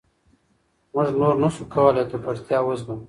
موږ نور نه شو کولای ککړتیا وزغمو.